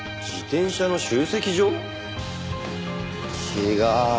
違う。